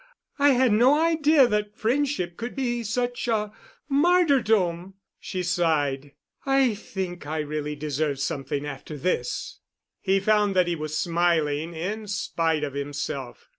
I had no idea that friendship could be such a martyrdom!" She sighed. "I think I really deserve something after this." He found that he was smiling in spite of himself.